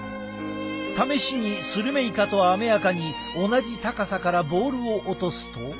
試しにスルメイカとアメアカに同じ高さからボールを落とすと。